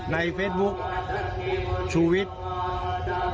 เฟซบุ๊คชูวิทย์